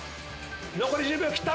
残り１０秒切った！